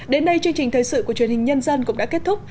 đến đây chương trình thời sự của truyền hình nhân dân cũng đã kết thúc